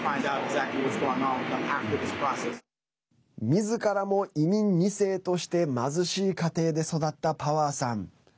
みずからも移民２世として貧しい家庭で育ったパワーさん。